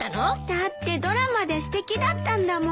だってドラマですてきだったんだもん。